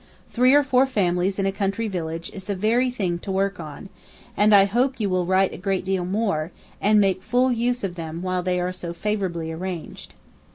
Three or four families in a country village is the very thing to work on; and I hope you will write a great deal more, and make full use of them while they are so very favourably arranged.'